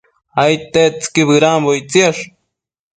Aidtetsëqui bëdambo ictsiash